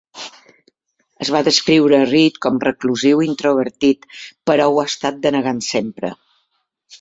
Es va descriure a Reed com reclusiu i introvertit, però ho ha estat denegant sempre.